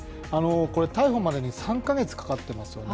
逮捕までに３か月かかってますよね。